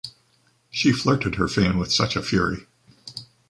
She flirted her fan with such a fury.